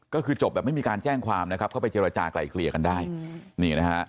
ก็คือจบแบบไม่มีการแจ้งความนะครับเข้าไปเจรจากลายเกลี่ยกันได้นี่นะฮะ